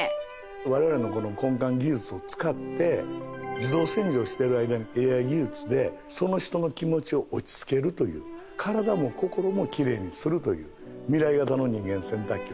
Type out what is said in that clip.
我々のこの根幹技術を使って自動洗浄している間にＡＩ技術でその人の気持ちを落ち着けるという体も心もきれいにするというミライ型の人間洗濯機をですね